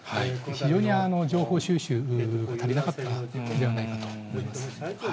非常に情報収集が足りなかったんではないかと思います。